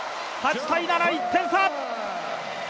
８−７、１点差！